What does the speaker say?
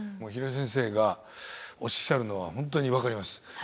廣井先生がおっしゃるのは本当に分かります。